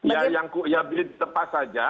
ya yang tepat saja